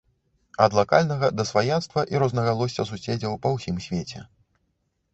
Ад лакальнага да сваяцтва і рознагалосся суседзяў па ўсім свеце.